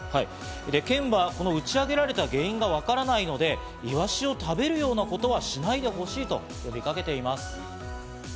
県は、この打ち上げられた原因がわからないので、イワシを食べるようなことはしないでほしいと呼びかけています。